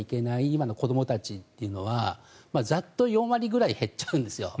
今の子どもたちというのはざっと４割ぐらい減っちゃうんですよ